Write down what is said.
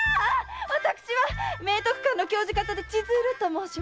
私は明徳館の教授方で千鶴と申します。